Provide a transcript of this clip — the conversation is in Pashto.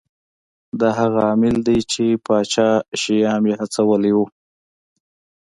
دا هغه عامل دی چې پاچا شیام یې هڅولی و.